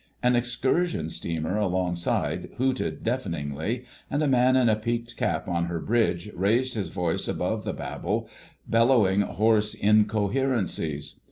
An excursion steamer alongside hooted deafeningly, and a man in a peaked cap on her bridge raised his voice above the babel, bellowing hoarse incoherencies.